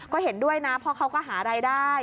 ก็เห็นด้วยนะเพราะเขาก็หารายได้